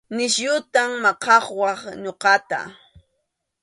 Nisyuta maqawaq ñuqata.